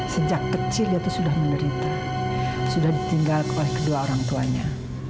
sejak kecil dia itu sudah menderita sudah ditinggal oleh kedua orang tuanya